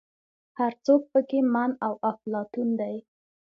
هر څوک په کې من او افلاطون دی.